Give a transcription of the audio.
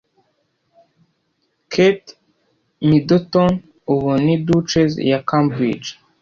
Kate Middleton ubu ni duchess ya Cambridge.